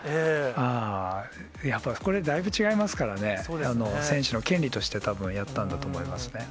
あぁ、やっぱりこれ、だいぶ違いますからね、選手の権利として、たぶんやったんだと思いますね。